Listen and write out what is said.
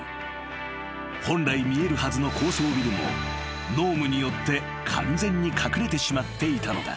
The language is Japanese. ［本来見えるはずの高層ビルも濃霧によって完全に隠れてしまっていたのだ］